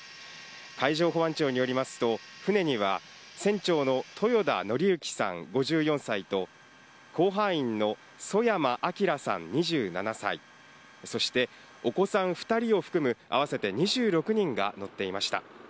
海上保安庁によりますと、船には、船長の豊田徳幸さん５４歳と、甲板員の曽山聖さん２７歳、そして、お子さん２人を含む合わせて２６人が乗っていました。